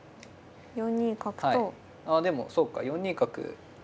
あでもそうか４二角。